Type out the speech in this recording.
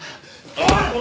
おい。